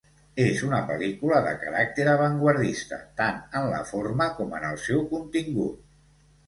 És una pel·lícula de caràcter avantguardista, tant en la forma com en el seu contingut.